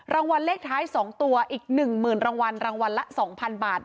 รางวัลเลขท้าย๒ตัวอีก๑๐๐๐รางวัลรางวัลละ๒๐๐๐บาท